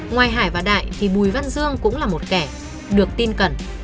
ngoài hải và đại thì bùi văn dương cũng là một kẻ được tin cẩn